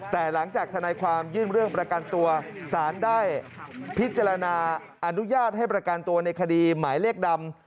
แต่หลังจากทนายความยื่นเรื่องประกันตัวสารได้พิจารณาอนุญาตให้ประกันตัวในคดีหมายเลขดำ